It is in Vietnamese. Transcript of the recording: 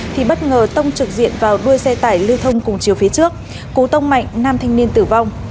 thì bất ngờ tông trực diện vào đuôi xe tải lưu thông cùng chiều phía trước cú tông mạnh nam thanh niên tử vong